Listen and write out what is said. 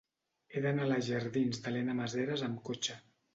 He d'anar a la jardins d'Elena Maseras amb cotxe.